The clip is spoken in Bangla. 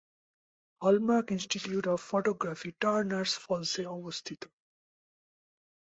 Hallmark Institute of Photography Turners ফলসে অবস্থিত।